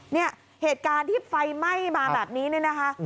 เนี่ยเหตุการณ์ที่ไฟไหม้มาแบบนี้เนี่ยนะคะ